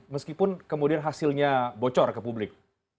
meskipun kemudian hasilnya bocor ke publik